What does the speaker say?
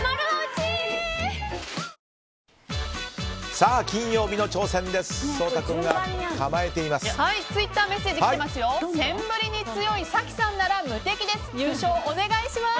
さあ、金曜日の挑戦です。